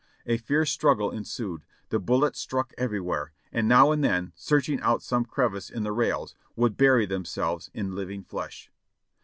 A fierce struggle ensued; the bullets struck everywhere, and now and then, searching out some crevice in the rails, would bury themselves in living flesh.